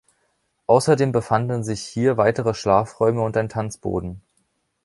Außerdem befanden sich hier weitere Schlafräume und ein Tanzboden.